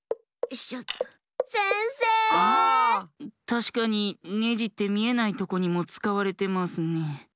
たしかにネジってみえないとこにもつかわれてますね。